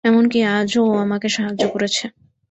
এমনকি, আজও ও আমাকে সাহায্য করেছে।